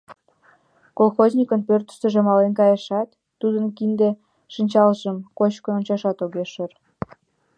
Колхозникын пӧртыштыжӧ мален каяшат, тудын кинде-шинчалжым кочкын ончашат огеш ӧр.